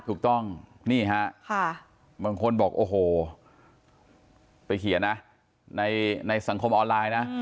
ถูกต้องนี่ฮะบางคนบอกโอ้โหไปเขียนนะในสังคมออนไลน์นะ